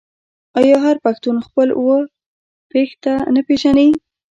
آیا هر پښتون خپل اوه پيښته نه پیژني؟